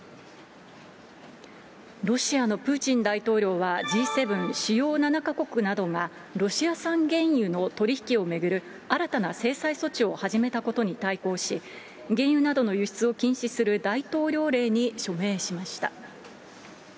ロシアのプーチン大統領は、Ｇ７・主要７か国などがロシア産原油の取り引きを巡る新たな制裁措置を始めたことに対抗し、原油などの輸出を禁止する大統領令に署名しました。